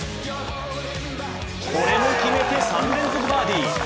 これも決めて３連続バーディー。